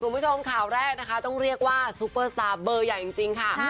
คุณผู้ชมข่าวแรกนะคะต้องเรียกว่าซุปเปอร์สตาร์เบอร์ใหญ่จริงค่ะ